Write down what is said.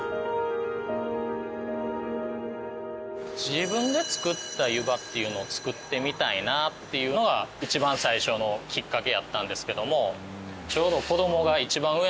自分で作った湯葉っていうのを作ってみたいなっていうのが一番最初のきっかけやったんですけども。